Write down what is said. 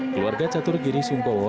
keluarga caturgiri sungkowo